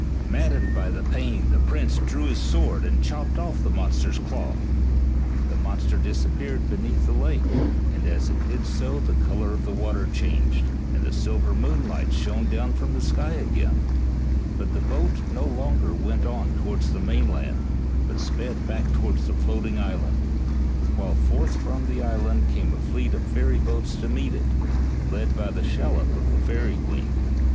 Maddened by the pain the prince drew his sword and chopped off the monster's claw. The monster disappeared beneath the lake, and, as it did so, the color of the water changed, and the silver moonlight shone down from the sky again, but the boat no longer went on towards the mainland, but sped back towards the floating island, while forth from the island came a fleet of fairy boats to meet it, led by the shallop of the fairy queen.